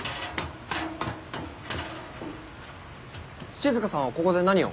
静さんはここで何を？